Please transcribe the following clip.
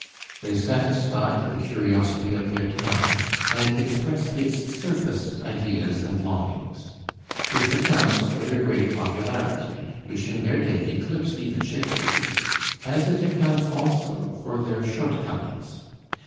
They satisfied the curiosity of their time, and expressed its surface ideas and longings. This accounts for their great popularity, which in their day eclipsed even Shakespeare's, as it accounts also for their shortcomings.